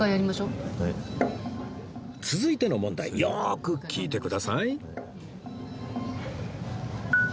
続いての問題よーく聞いてください